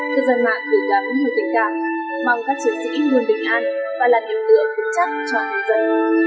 tư dân mạng cũng gặp những hình tình cảm mong các chiến sĩ luôn bình an và làm hiệu tượng tự chắc cho thế giới